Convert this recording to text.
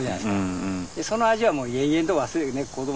その味はもう永遠と忘れない。